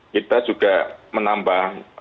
kita juga menambah